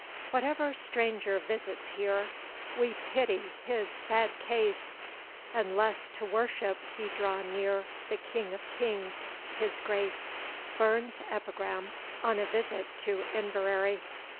Whatever stranger visits here, We pity his sad case, Unless to worship he draw near The King of Kings his Grace. BURNS'S EPIGRAM ON A VISIT TO INVERARY.